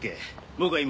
僕は今。